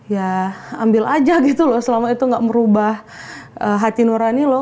ya ambil aja gitu loh selama itu gak merubah hati nurani loh